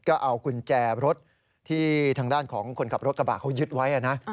ก็เอากุญแจรถที่ทางด้านของคนขับรถกระบะเขายึดไว้นะ